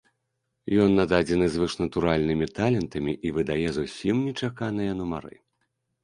Ён нададзены звышнатуральнымі талентамі і выдае зусім нечаканыя нумары.